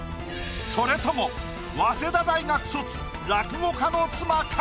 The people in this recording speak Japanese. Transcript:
それとも早稲田大学卒落語家の妻か？